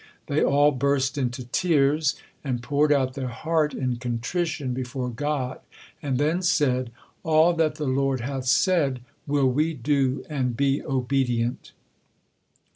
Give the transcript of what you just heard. They all burst into tears and poured out their heart in contrition before God, and then said: "All that the Lord hath said, will we do, and be obedient."